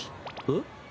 えっ？